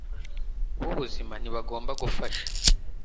b ubuzima ntibagomba gufasha